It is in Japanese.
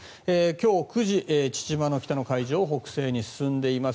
今日９時、父島の北の海上を北西に進んでいます。